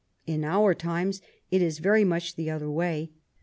In our times it is very much the other way.